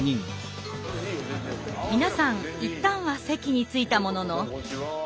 皆さん一旦は席に着いたものの。